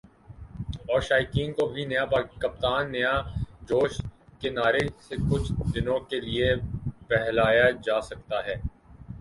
اور شائقین کو بھی "نیا کپتان ، نیا جوش" کے نعرے سے کچھ دنوں کے لیے بہلایا جاسکتا ہے ۔